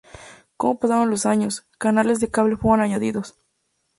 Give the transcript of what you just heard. Como pasaron los años, canales de cable fueron añadidos.